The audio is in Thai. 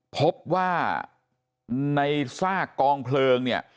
พบว่าในซากกองเพลิงเนี่ย